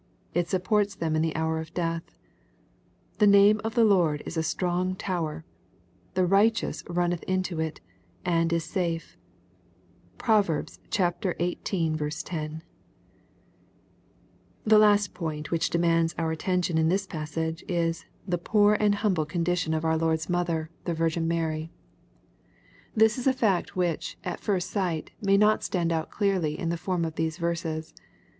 It supports them in the hour of death. " The name of the Lord is a strong tower ; the righteous runneth into it, and is safe." (Prov. xviii. 10.) Tb3 last point which demands our atiention in this' passage, is the poor and humble condition of our Lord*M ' 64 BXPOSITORT THOUGHTS. mother J the Virgin Mary. This is a fact which, at first sight, may not stand out clearly in the form of these verses.